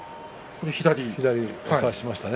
左にかわしましたね。